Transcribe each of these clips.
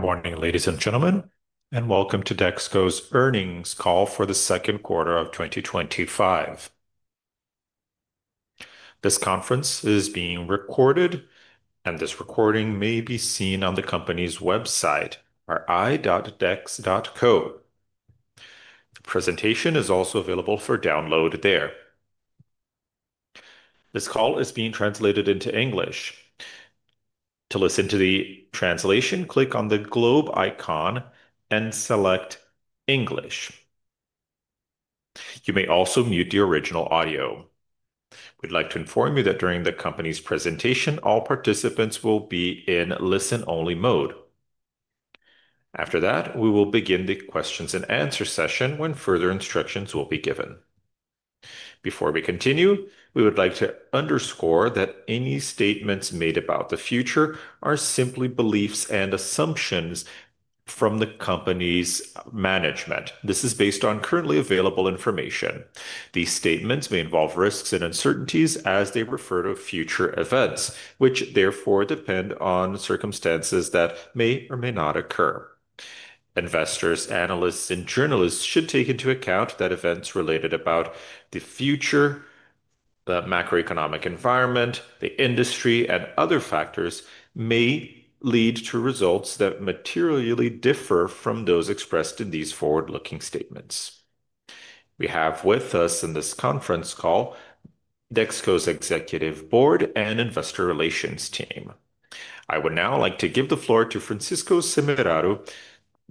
Good morning, ladies and gentlemen, and welcome to Dexco's Earnings Call for the Second Quarter of 2025. This conference is being recorded, and this recording may be seen on the company's website, ri.dexco.com. The presentation is also available for download there. This call is being translated into English. To listen to the translation, click on the globe icon and select English. You may also mute the original audio. We'd like to inform you that during the company's presentation, all participants will be in listen-only mode. After that, we will begin the questions and answer session when further instructions will be given. Before we continue, we would like to underscore that any statements made about the future are simply beliefs and assumptions from the company's management. This is based on currently available information. These statements may involve risks and uncertainties as they refer to future events, which therefore depend on circumstances that may or may not occur. Investors, analysts, and journalists should take into account that events related to the future, the macroeconomic environment, the industry, and other factors may lead to results that materially differ from those expressed in these forward-looking statements. We have with us in this conference call Dexco's Executive Board and Investor Relations team. I would now like to give the floor to Francisco Semeraro,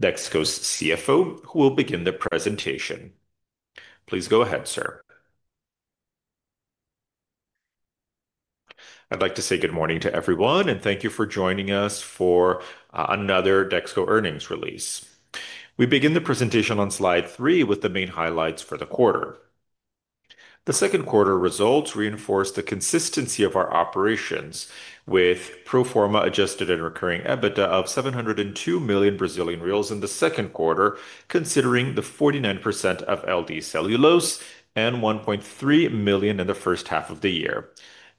Dexco's CFO, who will begin the presentation. Please go ahead, sir. I'd like to say good morning to everyone, and thank you for joining us for another Dexco Earnings Release. We begin the presentation on slide three with the main highlights for the quarter. The second quarter results reinforce the consistency of our operations with pro forma adjusted and recurring EBITDA of 702 million Brazilian reais in the second quarter, considering the 49% of LD Celulose and 1.3 billion in the first half of the year.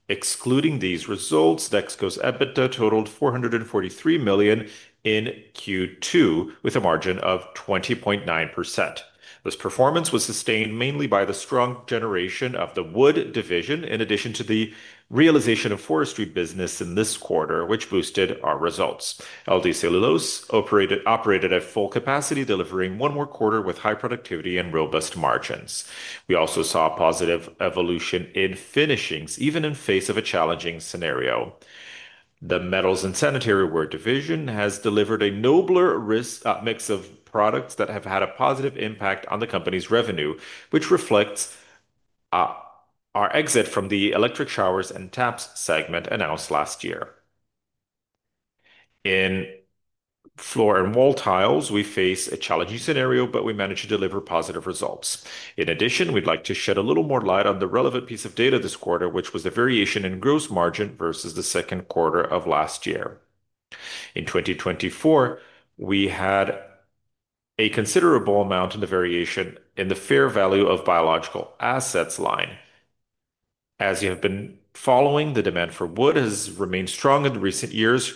Excluding these results, Dexco's EBITDA totaled 443 million in Q2 with a margin of 20.9%. This performance was sustained mainly by the strong generation of the wood division, in addition to the realization of forestry business in this quarter, which boosted our results. LD Celulose operated at full capacity, delivering one more quarter with high productivity and robust margins. We also saw positive evolution in finishings, even in the face of a challenging scenario. The metal products and sanitary ware division has delivered a nobler mix of products that have had a positive impact on the company's revenue, which reflects our exit from the electric showers and taps segment announced last year. In floor and wall tiles, we face a challenging scenario, but we managed to deliver positive results. In addition, we'd like to shed a little more light on the relevant piece of data this quarter, which was a variation in gross margin versus the second quarter of last year. In 2024, we had a considerable amount in the variation in the fair value of biological assets line. As you have been following, the demand for wood has remained strong in recent years,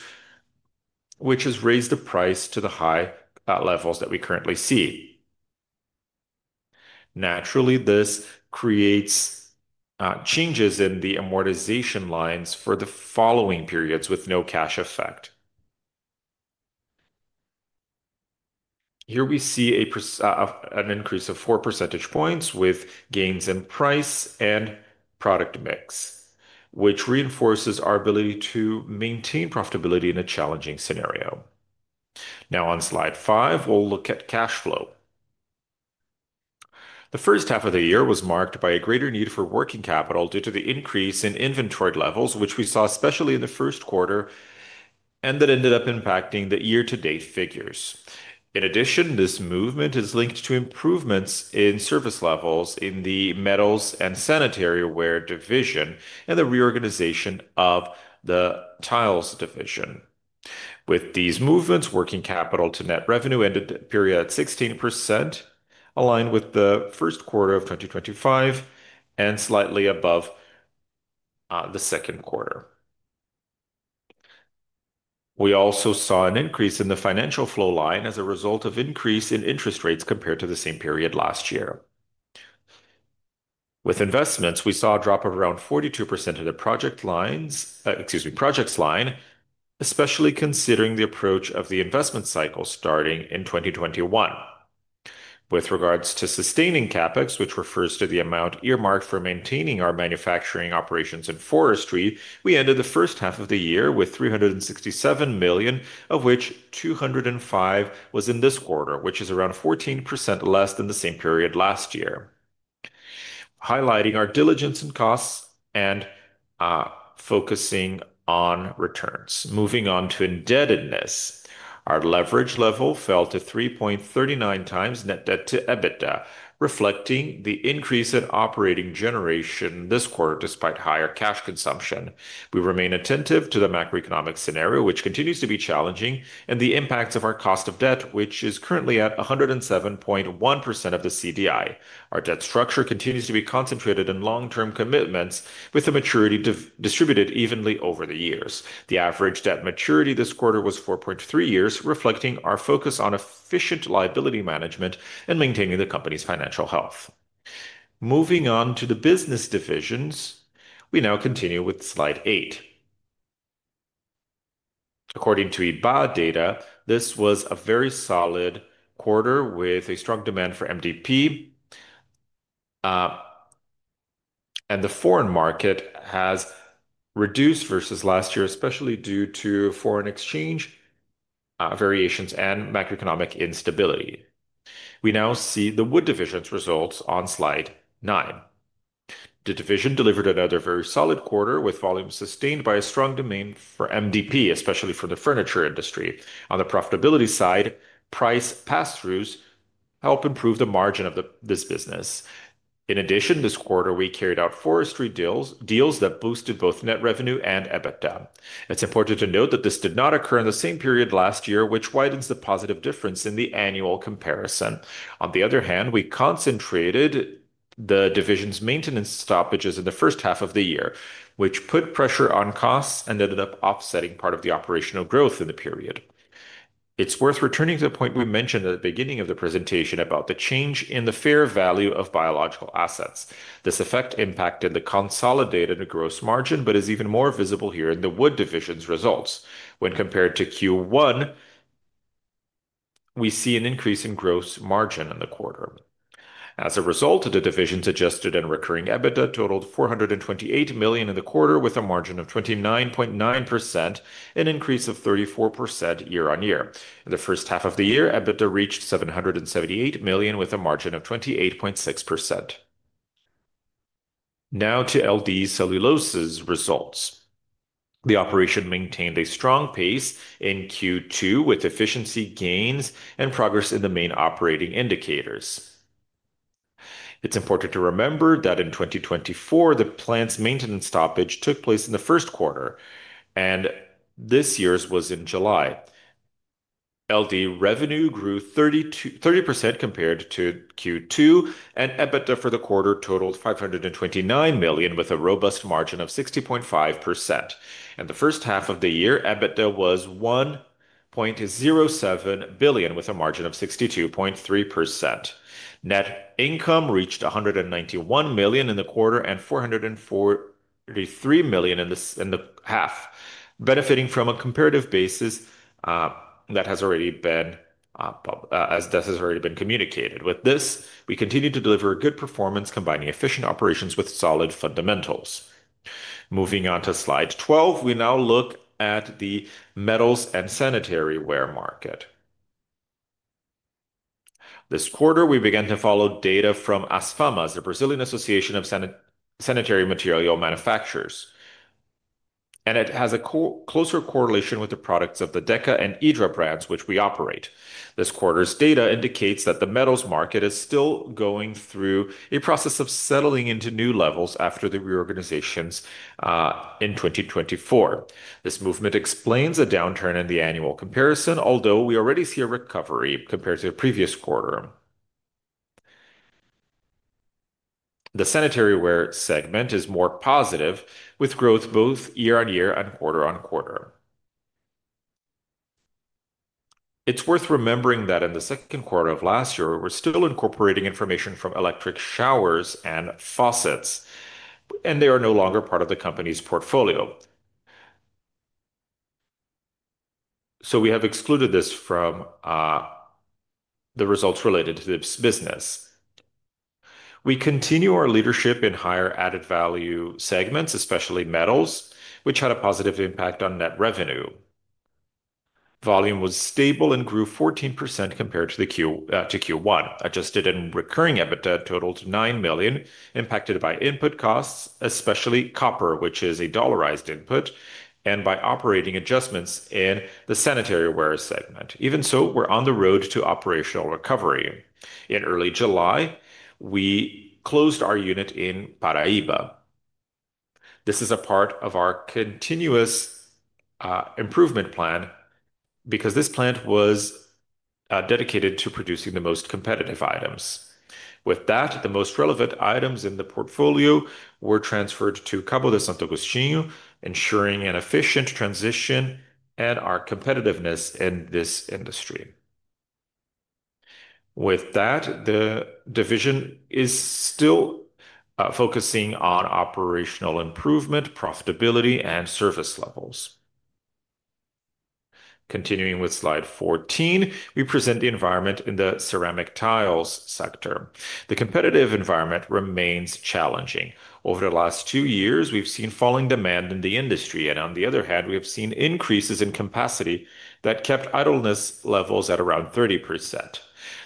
which has raised the price to the high levels that we currently see. Naturally, this creates changes in the amortization lines for the following periods with no cash effect. Here we see an increase of 4% with gains in price and product mix, which reinforces our ability to maintain profitability in a challenging scenario. Now, on slide five, we'll look at cash flow. The first half of the year was marked by a greater need for working capital due to the increase in inventory levels, which we saw especially in the first quarter and that ended up impacting the year-to-date figures. In addition, this movement is linked to improvements in service levels in the metal products and sanitary ware division and the reorganization of the tiles division. With these movements, working capital to net revenue ended the period at 16%, aligned with the first quarter of 2025 and slightly above the second quarter. We also saw an increase in the financial flow line as a result of an increase in interest rates compared to the same period last year. With investments, we saw a drop of around 42% in the projects line, especially considering the approach of the investment cycle starting in 2021. With regards to sustaining CapEx, which refers to the amount earmarked for maintaining our manufacturing operations in forestry, we ended the first half of the year with 367 million, of which 205 million was in this quarter, which is around 14% less than the same period last year. Highlighting our diligence in costs and focusing on returns. Moving on to indebtedness, our leverage level fell to 3.39x net debt to EBITDA, reflecting the increase in operating generation this quarter despite higher cash consumption. We remain attentive to the macroeconomic scenario, which continues to be challenging, and the impacts of our cost of debt, which is currently at 107.1% of the CDI. Our debt structure continues to be concentrated in long-term commitments, with the maturity distributed evenly over the years. The average debt maturity this quarter was 4.3 years, reflecting our focus on efficient liability management and maintaining the company's financial health. Moving on to the business divisions, we now continue with slide eight. According to EBA data, this was a very solid quarter with a strong demand for MDP, and the foreign market has reduced versus last year, especially due to foreign exchange variations and macroeconomic instability. We now see the wood division's results on slide nine. The division delivered another very solid quarter with volumes sustained by a strong demand for MDP, especially for the furniture industry. On the profitability side, price pass-throughs help improve the margin of this business. In addition, this quarter we carried out forestry transactions that boosted both net revenue and EBITDA. It's important to note that this did not occur in the same period last year, which widens the positive difference in the annual comparison. On the other hand, we concentrated the division's maintenance stoppages in the first half of the year, which put pressure on costs and ended up offsetting part of the operational growth in the period. It's worth returning to the point we mentioned at the beginning of the presentation about the change in the fair value of biological assets. This effect impacted the consolidated gross margin, but is even more visible here in the wood division's results. When compared to Q1, we see an increase in gross margin in the quarter. As a result, the division's adjusted and recurring EBITDA totaled 428 million in the quarter with a margin of 29.9%, an increase of 34% year on year. In the first half of the year, EBITDA reached 778 million with a margin of 28.6%. Now to LD Celulose's results. The operation maintained a strong pace in Q2 with efficiency gains and progress in the main operating indicators. It's important to remember that in 2024, the plant's maintenance stoppage took place in the first quarter, and this year's was in July. LD revenue grew 30% compared to Q2, and EBITDA for the quarter totaled 529 million with a robust margin of 60.5%. In the first half of the year, EBITDA was 1.07 billion with a margin of 62.3%. Net income reached 191 million in the quarter and 443 million in the half, benefiting from a comparative basis that has already been, as has already been communicated. With this, we continue to deliver good performance, combining efficient operations with solid fundamentals. Moving on to slide 12, we now look at the metal products and sanitary ware market. This quarter, we began to follow data from ASFAMAS, the Brazilian Association of Sanitary Material Manufacturers, and it has a closer correlation with the products of the Deca and Hydra brands which we operate. This quarter's data indicates that the metal products market is still going through a process of settling into new levels after the reorganizations in 2024. This movement explains a downturn in the annual comparison, although we already see a recovery compared to the previous quarter. The sanitary ware segment is more positive, with growth both year on year and quarter on quarter. It's worth remembering that in the second quarter of last year, we're still incorporating information from electric showers and taps, and they are no longer part of the company's portfolio. We have excluded this from the results related to this business. We continue our leadership in higher added value segments, especially metal products, which had a positive impact on net revenue. Volume was stable and grew 14% compared to Q1. Adjusted and recurring EBITDA totaled 9 million, impacted by input costs, especially copper, which is a dollarized input, and by operating adjustments in the sanitary ware segment. Even so, we're on the road to operational recovery. In early July, we closed our unit in Paraíba. This is a part of our continuous improvement plan because this plant was dedicated to producing the most competitive items. With that, the most relevant items in the portfolio were transferred to Cabo de Santo Agostinho, ensuring an efficient transition and our competitiveness in this industry. The division is still focusing on operational improvement, profitability, and service levels. Continuing with slide 14, we present the environment in the ceramic tiles sector. The competitive environment remains challenging. Over the last two years, we've seen falling demand in the industry, and on the other hand, we have seen increases in capacity that kept idleness levels at around 30%.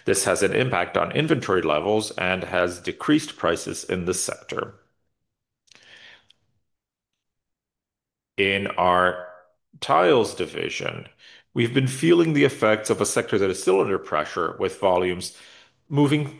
This has an impact on inventory levels and has decreased prices in the sector. In our tiles division, we've been feeling the effects of a sector that is still under pressure, with volumes moving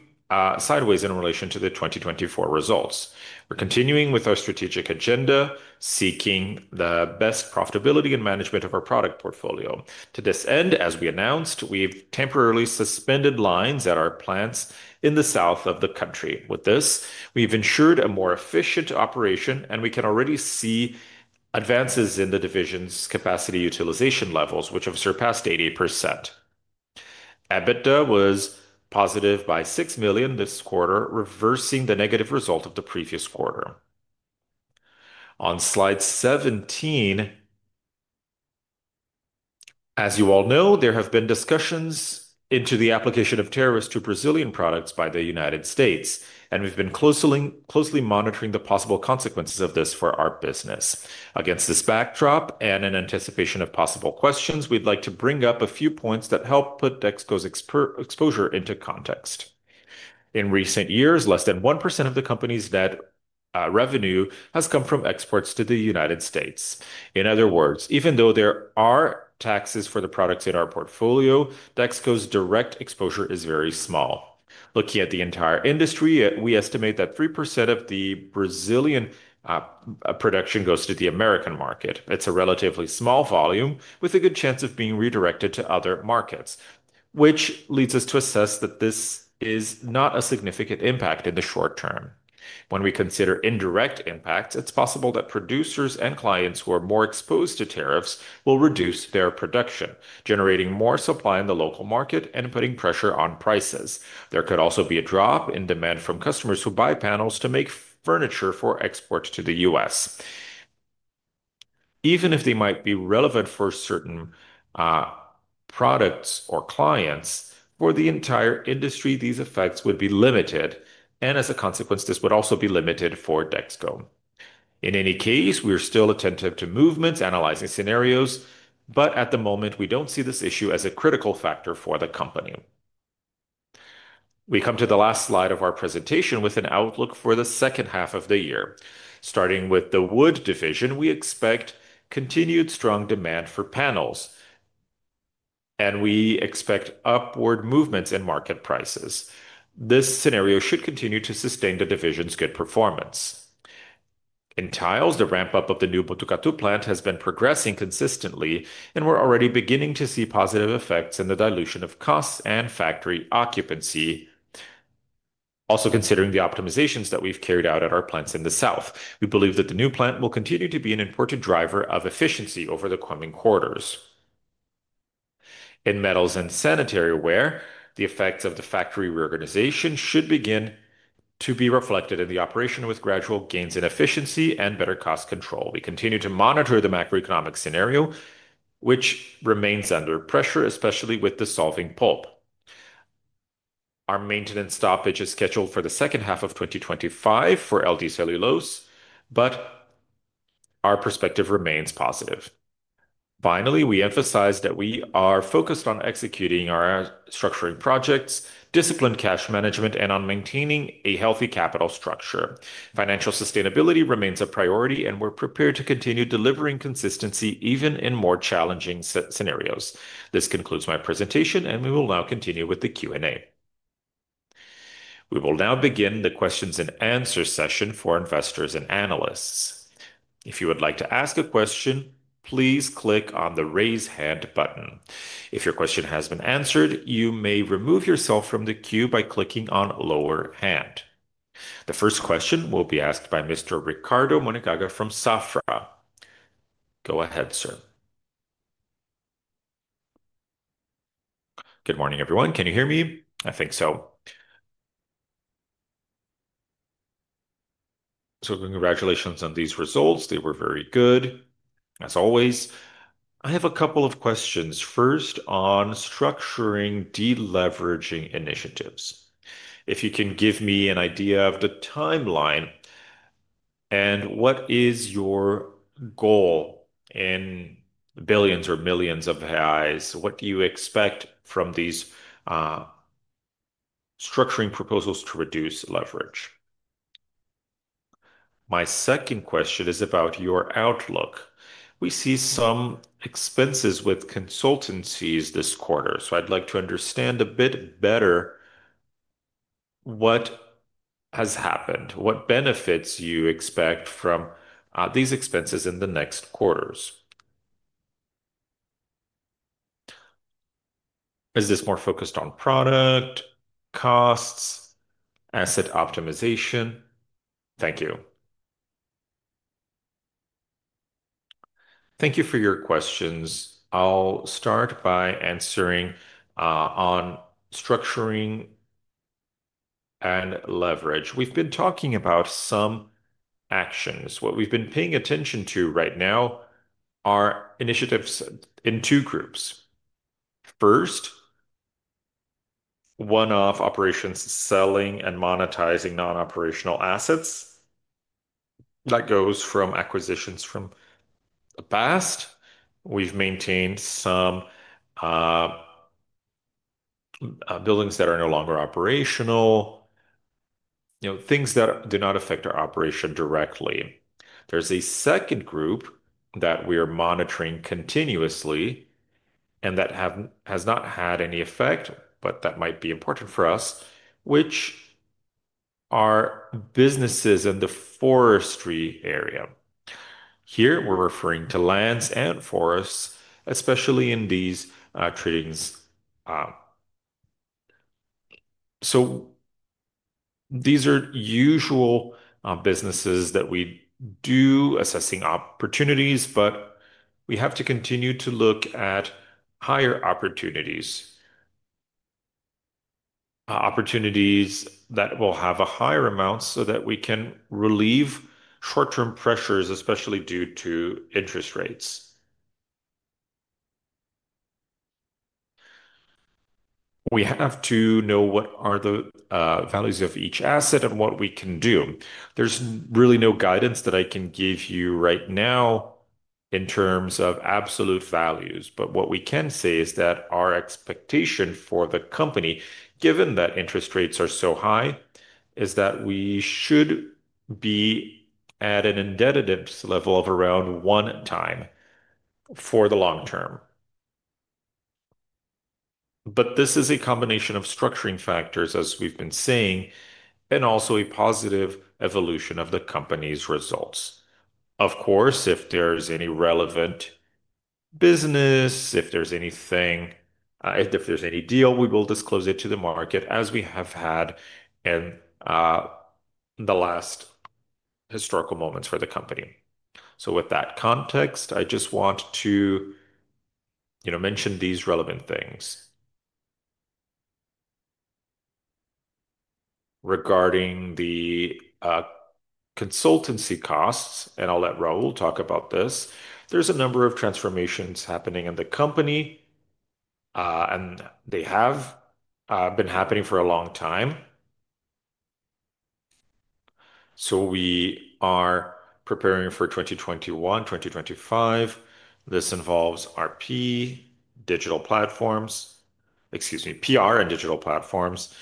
sideways in relation to the 2024 results. We're continuing with our strategic agenda, seeking the best profitability and management of our product portfolio. To this end, as we announced, we've temporarily suspended lines at our plants in the south of the country. With this, we've ensured a more efficient operation, and we can already see advances in the division's capacity utilization levels, which have surpassed 80%. EBITDA was positive by $6 million this quarter, reversing the negative result of the previous quarter. On slide 17, as you all know, there have been discussions into the application of tariffs to Brazilian products by the U.S., and we've been closely monitoring the possible consequences of this for our business. Against this backdrop and in anticipation of possible questions, we'd like to bring up a few points that help put Dexco's exposure into context. In recent years, less than 1% of the company's net revenue has come from exports to the U.S. In other words, even though there are taxes for the products in our portfolio, Dexco's direct exposure is very small. Looking at the entire industry, we estimate that 3% of the Brazilian production goes to the American market. It's a relatively small volume with a good chance of being redirected to other markets, which leads us to assess that this is not a significant impact in the short term. When we consider indirect impacts, it's possible that producers and clients who are more exposed to tariffs will reduce their production, generating more supply in the local market and putting pressure on prices. There could also be a drop in demand from customers who buy panels to make furniture for export to the U.S. Even if they might be relevant for certain products or clients, for the entire industry, these effects would be limited, and as a consequence, this would also be limited for Dexco. In any case, we are still attentive to movements, analyzing scenarios, but at the moment, we don't see this issue as a critical factor for the company. We come to the last slide of our presentation with an outlook for the second half of the year. Starting with the wood division, we expect continued strong demand for panels, and we expect upward movements in market prices. This scenario should continue to sustain the division's good performance. In tiles, the ramp-up of the new Botucatu plant has been progressing consistently, and we're already beginning to see positive effects in the dilution of costs and factory occupancy. Also, considering the optimizations that we've carried out at our plants in the south, we believe that the new plant will continue to be an important driver of efficiency over the coming quarters. In metal products and sanitary ware, the effects of the factory reorganization should begin to be reflected in the operation with gradual gains in efficiency and better cost control. We continue to monitor the macroeconomic scenario, which remains under pressure, especially with dissolving pulp. Our maintenance stoppage is scheduled for the second half of 2025 for LD Celulose, but our perspective remains positive. Finally, we emphasize that we are focused on executing our structuring projects, disciplined cash management, and on maintaining a healthy capital structure. Financial sustainability remains a priority, and we're prepared to continue delivering consistency even in more challenging scenarios. This concludes my presentation, and we will now continue with the Q&A. We will now begin the question and answer session for investors and analysts. If you would like to ask a question, please click on the raise hand button. If your question has been answered, you may remove yourself from the queue by clicking on lower hand. The first question will be asked by Mr. [Ricardo Monegaga] from Safra. Go ahead, sir. Good morning, everyone. Can you hear me? I think so. Congratulations on these results. They were very good, as always. I have a couple of questions. First, on structuring de-leveraging initiatives. If you can give me an idea of the timeline and what is your goal in billions or millions of reais, what do you expect from these structuring proposals to reduce leverage? My second question is about your outlook. We see some expenses with consultancies this quarter, so I'd like to understand a bit better what has happened, what benefits you expect from these expenses in the next quarters. Is this more focused on product costs, asset optimization? Thank you. Thank you for your questions. I'll start by answering on structuring and leverage. We've been talking about some actions. What we've been paying attention to right now are initiatives in two groups. First, one-off operations selling and monetizing non-operational assets. That goes from acquisitions from the past. We've maintained some buildings that are no longer operational, things that do not affect our operation directly. There's a second group that we are monitoring continuously and that has not had any effect, but that might be important for us, which are businesses in the forestry area. Here, we're referring to lands and forests, especially in these tradings. These are usual businesses that we do assessing opportunities, but we have to continue to look at higher opportunities, opportunities that will have a higher amount so that we can relieve short-term pressures, especially due to interest rates. We have to know what are the values of each asset and what we can do. There's really no guidance that I can give you right now in terms of absolute values, but what we can say is that our expectation for the company, given that interest rates are so high, is that we should be at an indebtedness level of around one time for the long term. This is a combination of structuring factors, as we've been saying, and also a positive evolution of the company's results. Of course, if there's any relevant business, if there's anything, if there's any deal, we will disclose it to the market, as we have had in the last historical moments for the company. With that context, I just want to mention these relevant things. Regarding the consultancy costs, and I'll let Raul talk about this, there's a number of transformations happening in the company, and they have been happening for a long time. We are preparing for 2021-2025. This involves RP, digital platforms, excuse me, PR and digital platforms,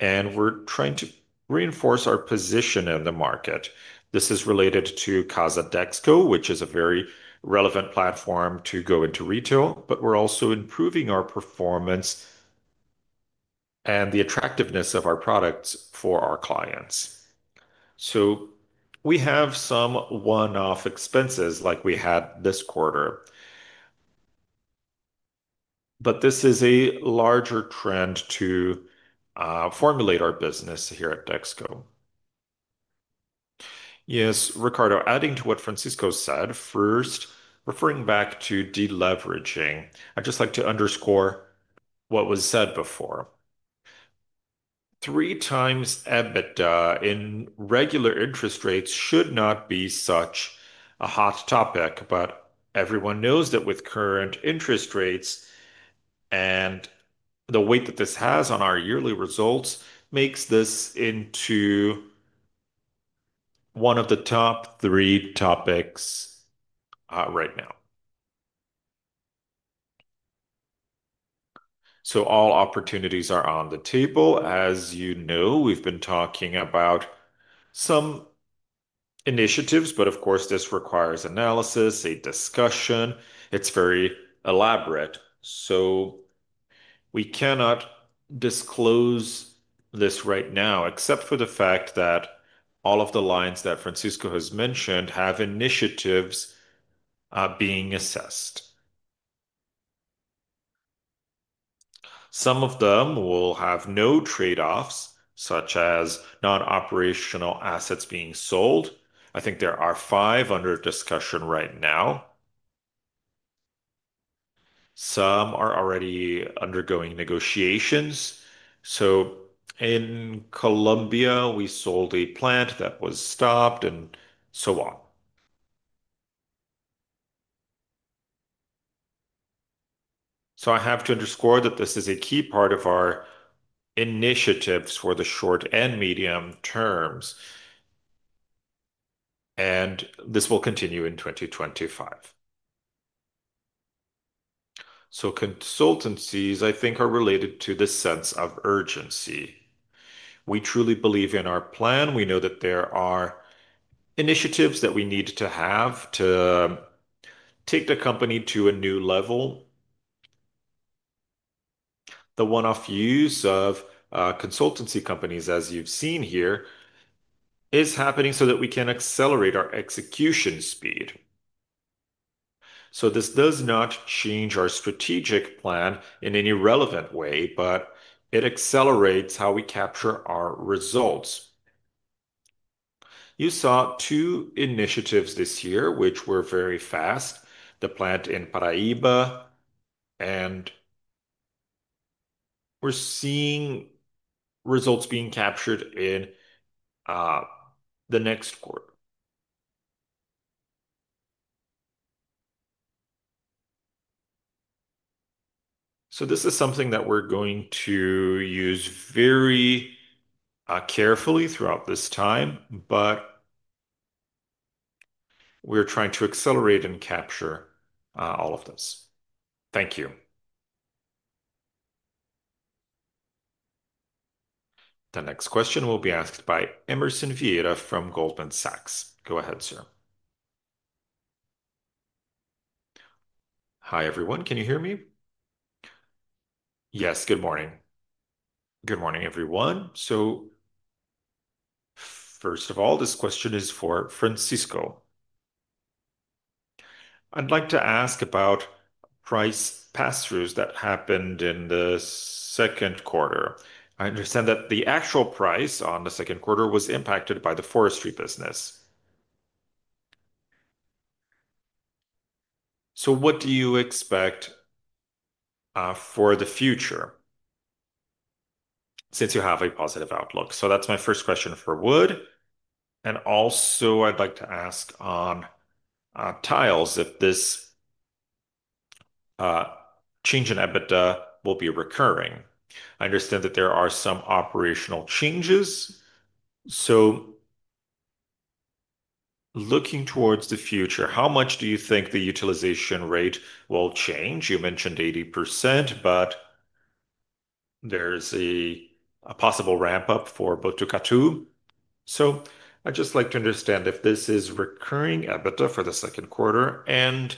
and we're trying to reinforce our position in the market. This is related to Casa Dexco, which is a very relevant platform to go into retail, but we're also improving our performance and the attractiveness of our products for our clients. We have some one-off expenses like we had this quarter, but this is a larger trend to formulate our business here at Dexco. Yes, Ricardo, adding to what Francisco said, first, referring back to de-leveraging, I'd just like to underscore what was said before. Three times EBITDA in regular interest rates should not be such a hot topic, but everyone knows that with current interest rates and the weight that this has on our yearly results, it makes this into one of the top three topics right now. All opportunities are on the table. As you know, we've been talking about some initiatives, but of course, this requires analysis, a discussion. It's very elaborate. We cannot disclose this right now except for the fact that all of the lines that Francisco has mentioned have initiatives being assessed. Some of them will have no trade-offs, such as non-operational assets being sold. I think there are five under discussion right now. Some are already undergoing negotiations. In Colombia, we sold a plant that was stopped and so on. I have to underscore that this is a key part of our initiatives for the short and medium terms, and this will continue in 2025. Consultancies, I think, are related to the sense of urgency. We truly believe in our plan. We know that there are initiatives that we need to have to take the company to a new level. The one-off use of consultancy companies, as you've seen here, is happening so that we can accelerate our execution speed. This does not change our strategic plan in any relevant way, but it accelerates how we capture our results. You saw two initiatives this year, which were very fast: the plant in Paraíba, and we're seeing results being captured in the next quarter. This is something that we're going to use very carefully throughout this time, but we're trying to accelerate and capture all of this. Thank you. The next question will be asked by Emerson Vieira from Goldman Sachs. Go ahead, sir. Hi, everyone. Can you hear me? Yes, good morning. Good morning, everyone. First of all, this question is for Francisco. I'd like to ask about price pass-throughs that happened in the second quarter. I understand that the actual price on the second quarter was impacted by the forestry business. What do you expect for the future since you have a positive outlook? That's my first question for wood. Also, I'd like to ask on tiles if this change in EBITDA will be recurring. I understand that there are some operational changes. Looking towards the future, how much do you think the utilization rate will change? You mentioned 80%, but there's a possible ramp-up for Botucatu. I'd just like to understand if this is recurring EBITDA for the second quarter and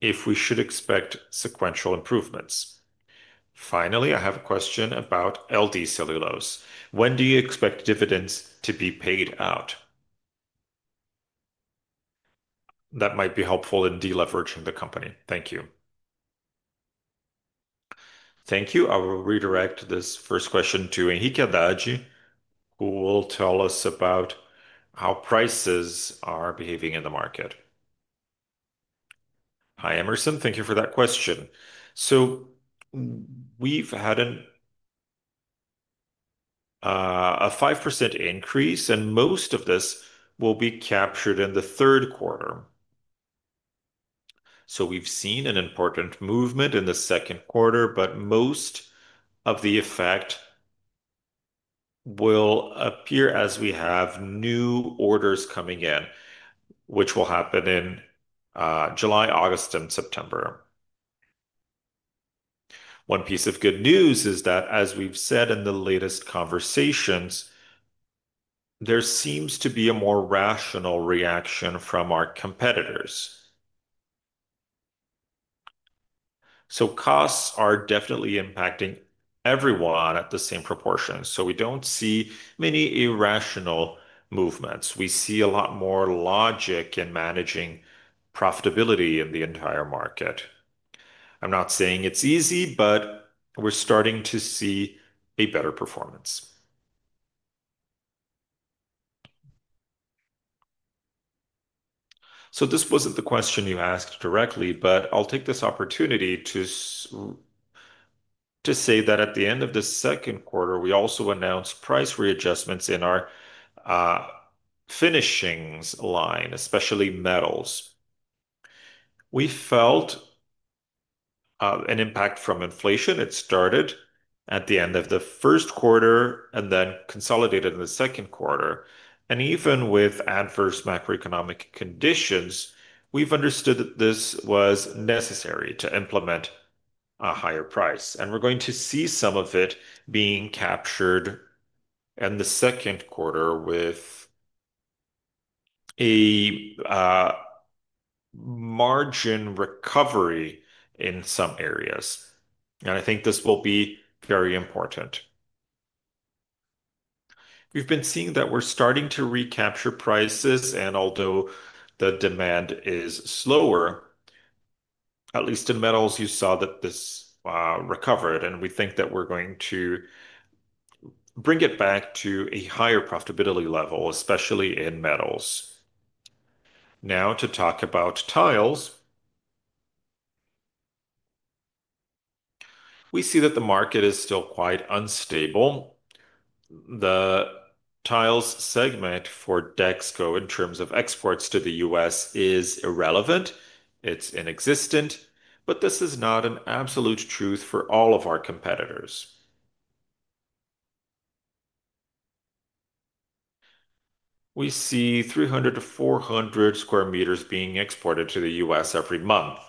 if we should expect sequential improvements. Finally, I have a question about LD Celulose. When do you expect dividends to be paid out? That might be helpful in de-leveraging the company. Thank you. Thank you. I will redirect this first question to [Enrique Adagi], who will tell us about how prices are behaving in the market. Hi, Emerson. Thank you for that question. We've had a 5% increase, and most of this will be captured in the third quarter. We've seen an important movement in the second quarter, but most of the effect will appear as we have new orders coming in, which will happen in July, August, and September. One piece of good news is that, as we've said in the latest conversations, there seems to be a more rational reaction from our competitors. Costs are definitely impacting everyone at the same proportion. We don't see many irrational movements. We see a lot more logic in managing profitability in the entire market. I'm not saying it's easy, but we're starting to see a better performance. This wasn't the question you asked directly, but I'll take this opportunity to say that at the end of the second quarter, we also announced price readjustments in our finishings line, especially metals. We felt an impact from inflation. It started at the end of the first quarter and then consolidated in the second quarter. Even with adverse macroeconomic conditions, we've understood that this was necessary to implement a higher price. We're going to see some of it being captured in the second quarter with a margin recovery in some areas. I think this will be very important. We've been seeing that we're starting to recapture prices, and although the demand is slower, at least in metals, you saw that this recovered. We think that we're going to bring it back to a higher profitability level, especially in metals. Now, to talk about tiles, we see that the market is still quite unstable. The tiles segment for Dexco, in terms of exports to the U.S., is irrelevant. It's inexistent, but this is not an absolute truth for all of our competitors. We see 300 to 400 square meters being exported to the U.S. every month.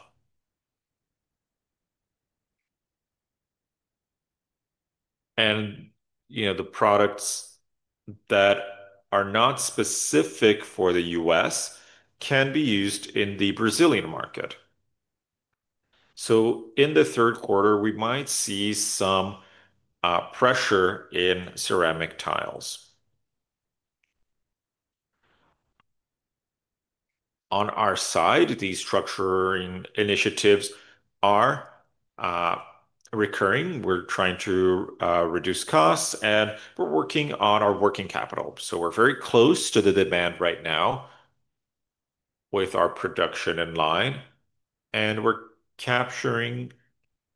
The products that are not specific for the U.S. can be used in the Brazilian market. In the third quarter, we might see some pressure in ceramic tiles. On our side, these structuring initiatives are recurring. We're trying to reduce costs, and we're working on our working capital. We're very close to the demand right now with our production in line, and we're capturing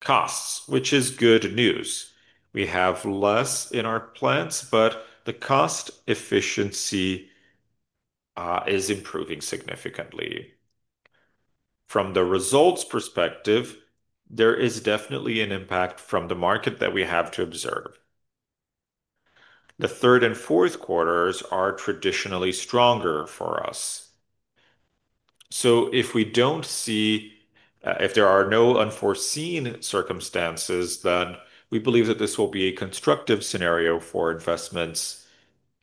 costs, which is good news. We have less in our plants, but the cost efficiency is improving significantly. From the results perspective, there is definitely an impact from the market that we have to observe. The third and fourth quarters are traditionally stronger for us. If we don't see, if there are no unforeseen circumstances, then we believe that this will be a constructive scenario for investments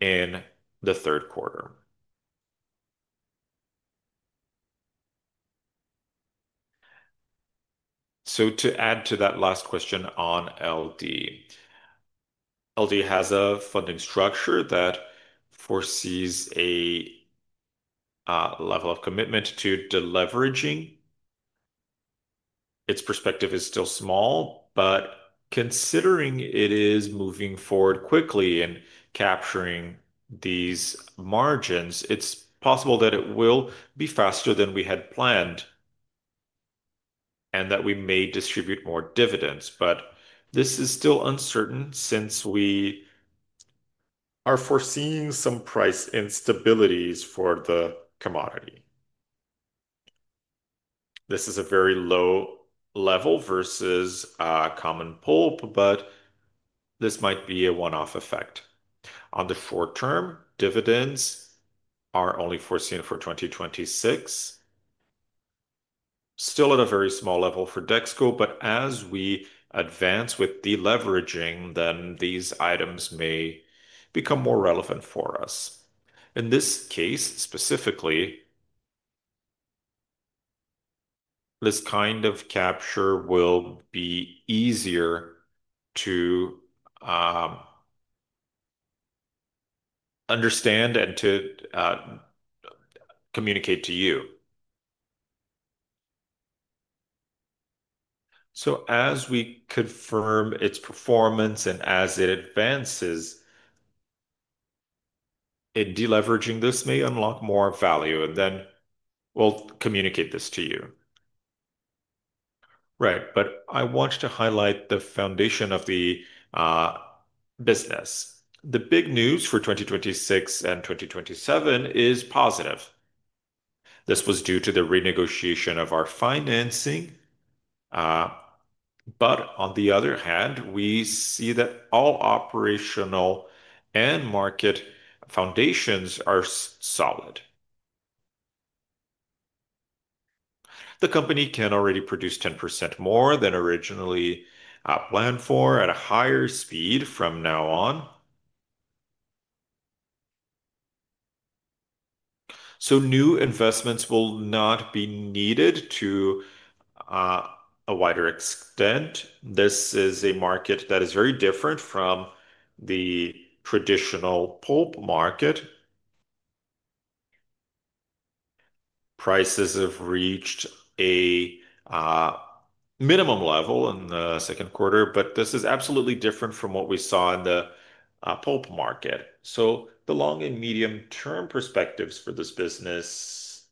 in the third quarter. To add to that last question on LD, LD has a funding structure that foresees a level of commitment to deleveraging. Its perspective is still small, but considering it is moving forward quickly and capturing these margins, it's possible that it will be faster than we had planned and that we may distribute more dividends. This is still uncertain since we are foreseeing some price instabilities for the commodity. This is a very low level versus a common pulp, but this might be a one-off effect. In the short term, dividends are only foreseen for 2026, still at a very small level for Dexco, but as we advance with de-leveraging, these items may become more relevant for us. In this case specifically, this kind of capture will be easier to understand and to communicate to you. As we confirm its performance and as it advances in de-leveraging, this may unlock more value, and then we'll communicate this to you. I want to highlight the foundation of the business. The big news for 2026 and 2027 is positive. This was due to the renegotiation of our financing, but on the other hand, we see that all operational and market foundations are solid. The company can already produce 10% more than originally planned for at a higher speed from now on. New investments will not be needed to a wider extent. This is a market that is very different from the traditional pulp market. Prices have reached a minimum level in the second quarter, but this is absolutely different from what we saw in the pulp market. The long and medium-term perspectives for this business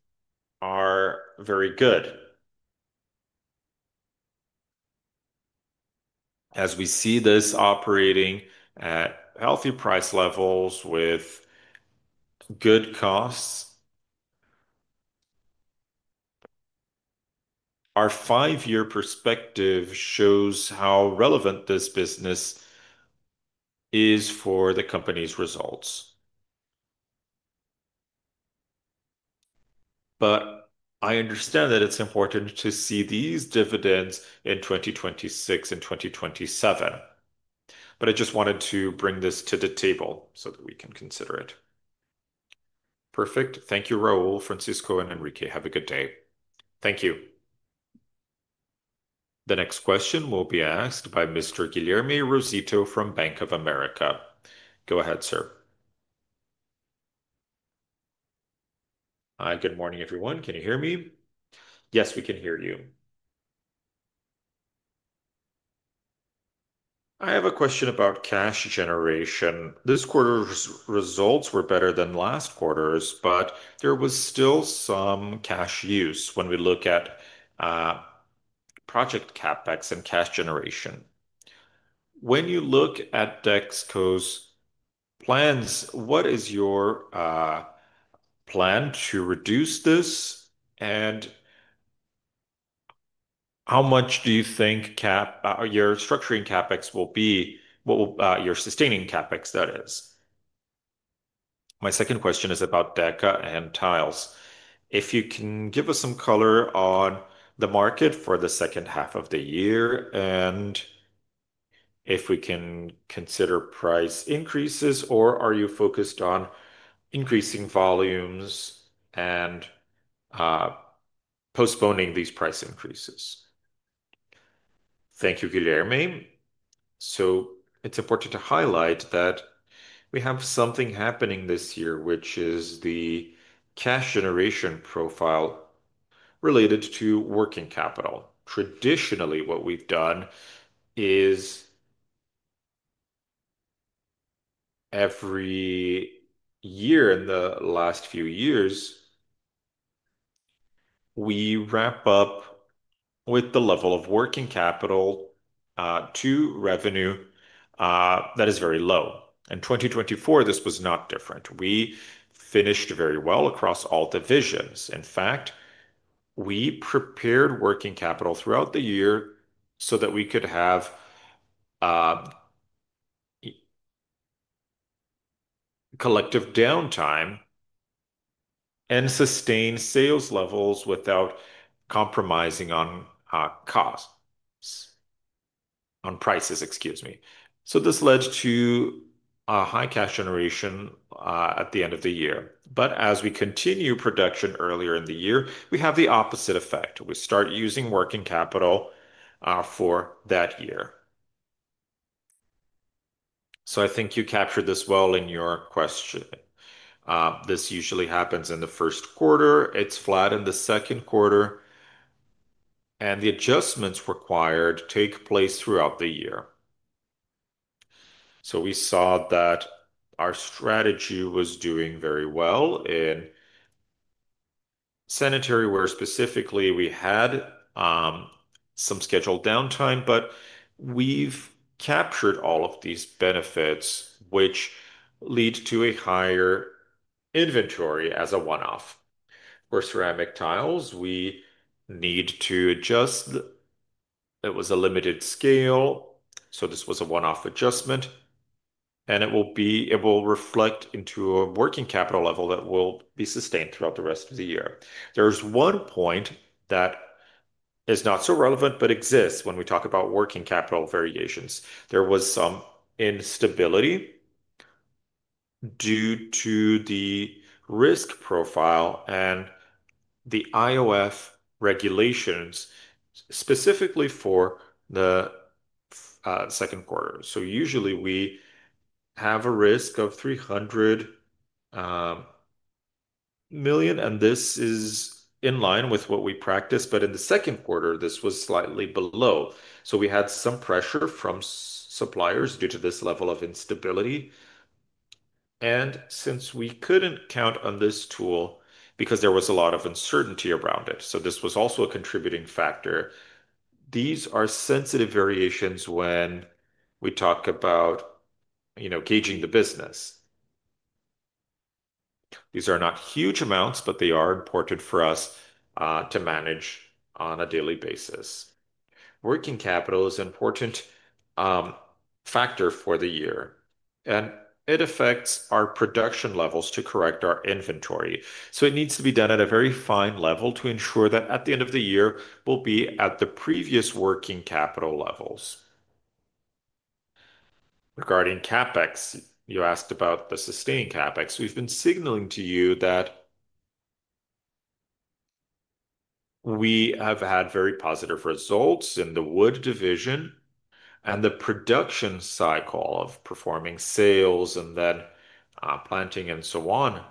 are very good. As we see this operating at healthy price levels with good costs, our five-year perspective shows how relevant this business is for the company's results. I understand that it's important to see these dividends in 2026 and 2027. I just wanted to bring this to the table so that we can consider it. Perfect. Thank you, Raul, Francisco, and Enrique. Have a good day. Thank you. The next question will be asked by Mr. Guilherme Rosito from Bank of America. Go ahead, sir. Hi, good morning, everyone. Can you hear me? Yes, we can hear you. I have a question about cash generation. This quarter's results were better than last quarter's, but there was still some cash use when we look at project CapEx and cash generation. When you look at Dexco's plans, what is your plan to reduce this and how much do you think your structuring CapEx will be, what will your sustaining CapEx, that is? My second question is about Deca and tiles. If you can give us some color on the market for the second half of the year and if we can consider price increases or are you focused on increasing volumes and postponing these price increases? Thank you, Guilherme. It's important to highlight that we have something happening this year, which is the cash generation profile related to working capital. Traditionally, what we've done is every year in the last few years, we wrap up with the level of working capital to revenue that is very low. In 2024, this was not different. We finished very well across all divisions. In fact, we prepared working capital throughout the year so that we could have collective downtime and sustain sales levels without compromising on costs, on prices, excuse me. This led to a high cash generation at the end of the year. As we continue production earlier in the year, we have the opposite effect. We start using working capital for that year. I think you captured this well in your question. This usually happens in the first quarter. It's flat in the second quarter, and the adjustments required take place throughout the year. We saw that our strategy was doing very well in sanitary wood specifically. We had some scheduled downtime, but we've captured all of these benefits, which lead to a higher inventory as a one-off. For ceramic tiles, we need to adjust. It was a limited scale, so this was a one-off adjustment, and it will reflect into a working capital level that will be sustained throughout the rest of the year. There's one point that is not so relevant but exists when we talk about working capital variations. There was some instability due to the risk profile and the IOF regulations specifically for the second quarter. Usually, we have a risk of $300 million, and this is in line with what we practice. In the second quarter, this was slightly below. We had some pressure from suppliers due to this level of instability. Since we couldn't count on this tool because there was a lot of uncertainty around it, this was also a contributing factor. These are sensitive variations when we talk about, you know, gauging the business. These are not huge amounts, but they are important for us to manage on a daily basis. Working capital is an important factor for the year, and it affects our production levels to correct our inventory. It needs to be done at a very fine level to ensure that at the end of the year, we'll be at the previous working capital levels. Regarding CapEx, you asked about the sustained CapEx. We've been signaling to you that we have had very positive results in the wood division and the production cycle of performing sales and then planting and so on.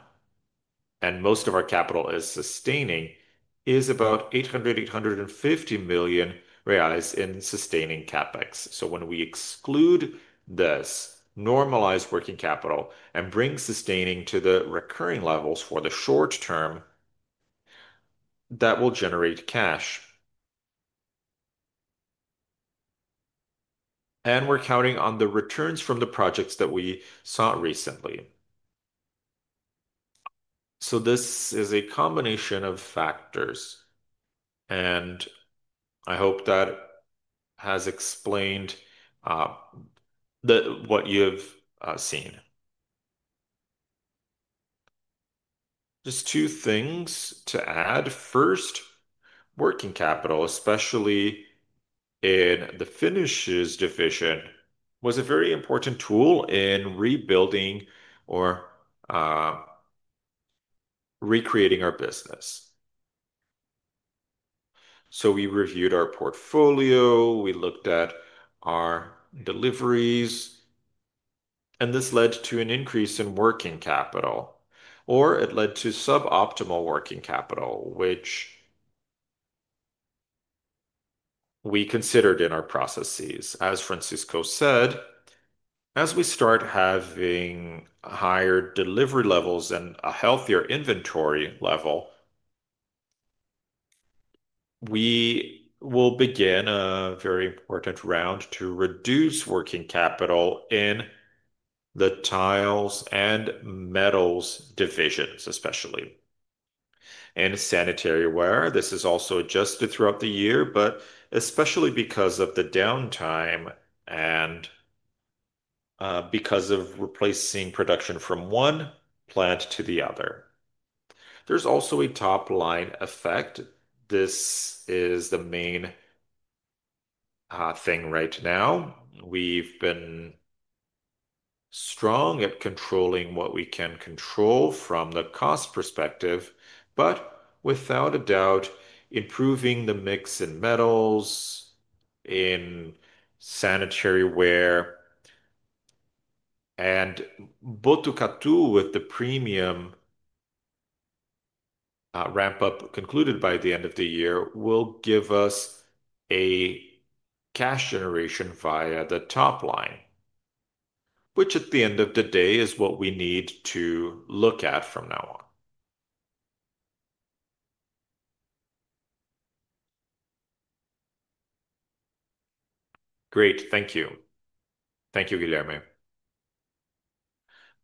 Most of our capital is sustaining, is about 800 million reais, 850 million reais in sustaining CapEx. When we exclude this, normalize working capital, and bring sustaining to the recurring levels for the short term, that will generate cash. We're counting on the returns from the projects that we saw recently. This is a combination of factors, and I hope that has explained what you've seen. Just two things to add. First, working capital, especially in the finishes division, was a very important tool in rebuilding or recreating our business. We reviewed our portfolio, we looked at our deliveries, and this led to an increase in working capital, or it led to suboptimal working capital, which we considered in our processes. As Francisco said, as we start having higher delivery levels and a healthier inventory level, we will begin a very important round to reduce working capital in the tiles and metals divisions, especially. In sanitary ware and wood, this is also adjusted throughout the year, but especially because of the downtime and because of replacing production from one plant to the other. There's also a top line effect. This is the main thing right now. We've been strong at controlling what we can control from the cost perspective, but without a doubt, improving the mix in metals, in sanitary ware and wood, and Botucatu, with the premium ramp-up concluded by the end of the year, will give us a cash generation via the top line, which at the end of the day is what we need to look at from now on. Great. Thank you. Thank you, Guilherme.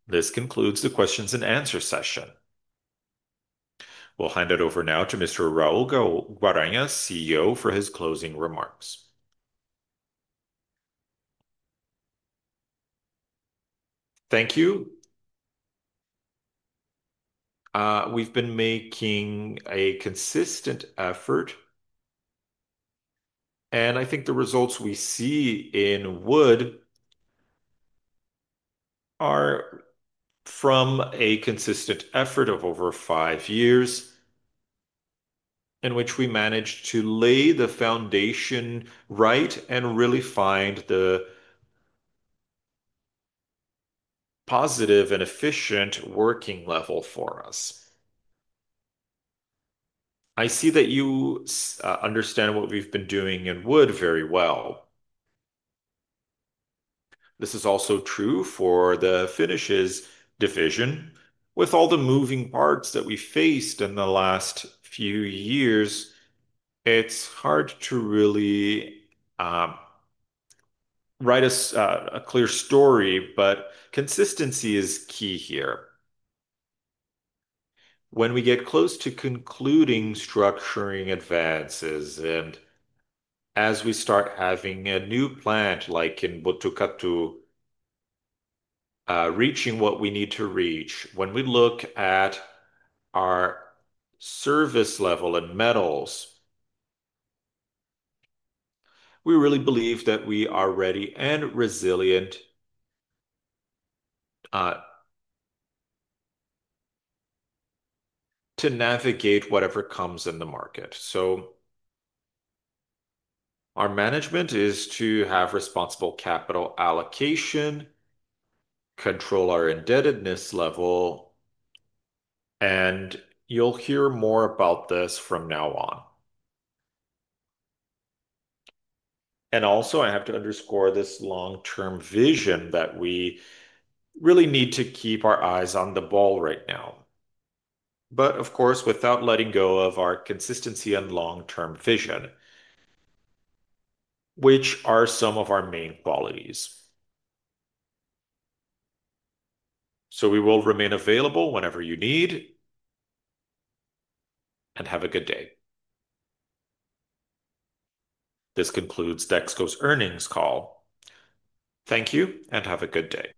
This concludes the questions and answer session. We'll hand it over now to Mr. Raul Guaragna, CEO, for his closing remarks. Thank you. We've been making a consistent effort, and I think the results we see in wood are from a consistent effort of over five years in which we managed to lay the foundation right and really find the positive and efficient working level for us. I see that you understand what we've been doing in wood very well. This is also true for the finishes division. With all the moving parts that we faced in the last few years, it's hard to really write a clear story, but consistency is key here. When we get close to concluding structuring advances and as we start having a new plant like in Botucatu, reaching what we need to reach, when we look at our service level in metals, we really believe that we are ready and resilient to navigate whatever comes in the market. Our management is to have responsible capital allocation, control our indebtedness level, and you'll hear more about this from now on. I have to underscore this long-term vision that we really need to keep our eyes on the ball right now. Of course, without letting go of our consistency and long-term vision, which are some of our main qualities. We will remain available whenever you need, and have a good day. This concludes Dexco's earnings call. Thank you, and have a good day.